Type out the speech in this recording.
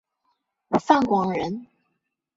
范广人。